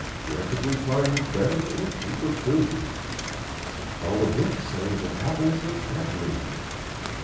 Where could we find better or cheaper food? All the books say that apples are fattening."